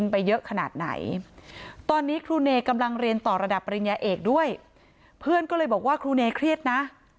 ภรริเงียเอกด้วยเพื่อนก็เลยบอกว่าครูเนคลียดนะ